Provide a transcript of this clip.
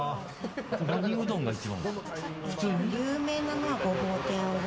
何うどんが一番？